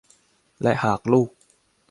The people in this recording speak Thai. และหากลูก